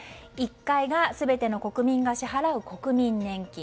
１階が全ての国民が支払う国民年金。